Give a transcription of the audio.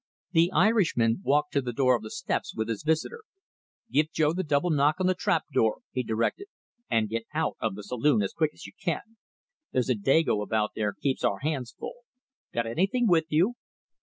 The Irishman walked to the foot of the steps with his visitor. "Give Joe the double knock on the trapdoor," he directed, "and get out of the saloon as quick as you can. There's a Dago about there keeps our hands full. Got anything with you?"